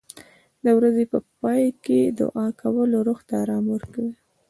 د ورځې په پای کې دعا کول روح ته آرام ورکوي.